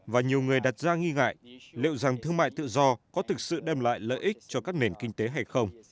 và nhiều người đặt ra nghi ngại liệu rằng thương mại tự do có thực sự đem lại lợi ích cho các nền kinh tế hay không